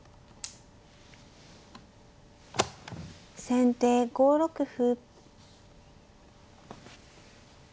先手５六歩。